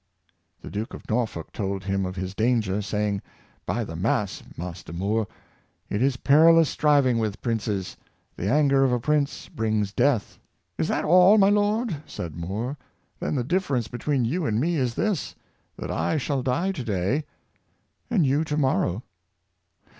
The Duke of Norfolk told him of his danger, saying: " By the mass, Master More, it is perilous striving with princes; the anger of a prince brings death!" "Is that all, my lord?" said More; "then the difference between you and me is this — that I shall die to day^ and you to morrow."